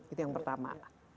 itu yang pertama